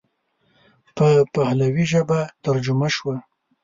په پهلوي ژبه ترجمه شوه.